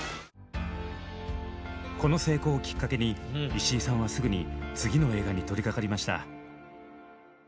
この成功をきっかけに石井さんはすぐに次の映画に取りかかりました。